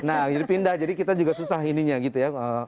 nah jadi pindah jadi kita juga susah ininya gitu ya